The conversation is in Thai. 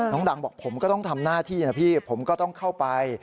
ดังบอกผมก็ต้องทำหน้าที่นะพี่ผมก็ต้องเข้าไป